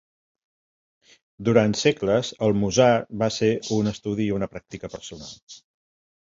Durant segles, el Musar va ser un estudi i una pràctica personal.